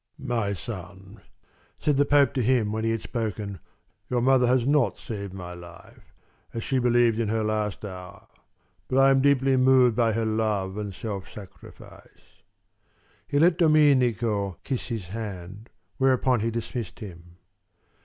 "My son," said the Pope to him when he had spoken, "your mother has not saved my life, as she believed in her last hour; but I am deeply moved by her love and self sacrifice." He let Dominico kiss his hand, whereupon he dismissed him.